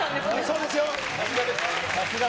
さすが。